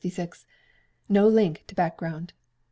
No Link to Background.